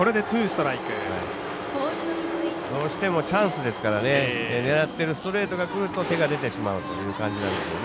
どうしてもチャンスですから狙っているストレートがくると手が出てしまうという感じなんでしょうね。